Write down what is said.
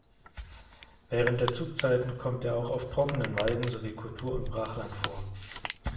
Während der Zugzeiten kommt er auch auf trockenen Weiden sowie Kultur- und Brachland vor.